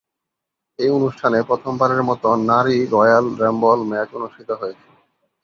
এই অনুষ্ঠানে প্রথমবারের মতো নারী রয়্যাল রাম্বল ম্যাচ অনুষ্ঠিত হয়েছে।